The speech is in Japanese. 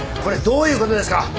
これどういうことですか。